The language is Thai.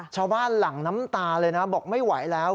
ชาวบ้านหลั่งน้ำตาเลยนะบอกไม่ไหวแล้ว